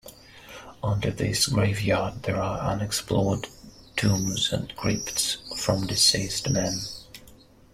Under this graveyard there are unexplored tombs and crypts from deceased men.